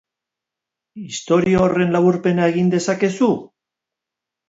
Istorio horren laburpena egin dezakezu?